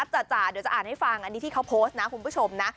จ๋าเดี๋ยวจะอ่านให้ฟังอันนี้ที่เขาโพสต์นะคุณผู้ชมนะ